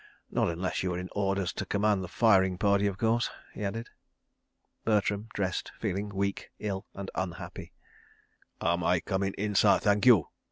... Not unless you were in orders to command the firing party, of course," he added. .. Bertram dressed, feeling weak, ill and unhappy. ... "Am I coming in, sah, thank you?"